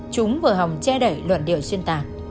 chúng vừa hồng che đẩy luận điệu xuyên tạc